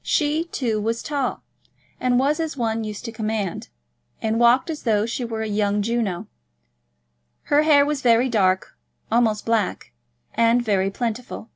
She, too, was tall, and was as one used to command, and walked as though she were a young Juno. Her hair was very dark, almost black, and very plentiful.